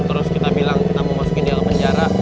terus kita bilang kita mau masukin dia ke penjara